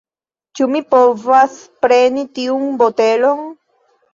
Ĉu mi povas preni tiun botelon?